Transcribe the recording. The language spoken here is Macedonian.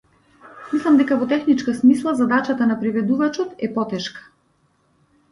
Мислам дека во техничка смисла задачата на преведувачот е потешка.